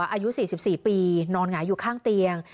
อายุ๔๔ปีนอนหงายอยู่ข้างเตียง